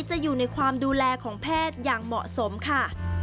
จะอยู่ในความดูแลของแพทย์อย่างเหมาะสมค่ะ